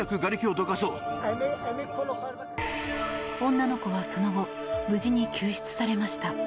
女の子はその後、無事に救出されました。